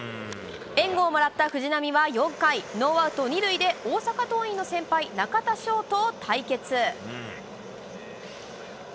援護をもらった藤浪は４回、ノーアウト２塁で、大阪桐蔭の先輩、中田翔と対決。